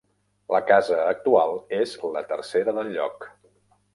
La casa actual és la tercera del lloc.